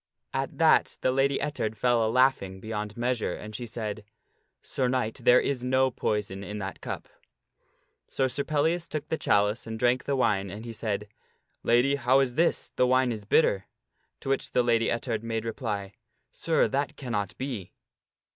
At that the Lady Ettard fell a laughing beyond measure, and she said, " Sir Knight, there is no poison in that cup." So Sir Pellias took the chalice and drank the wine, and he said, " Lady> how is this? The wine is bitter." To which the Lady Ettard made reply, " Sir, that cannot be."